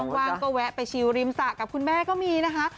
ว่างก็แวะไปชิลริมสระกับคุณแม่ก็มีนะคะ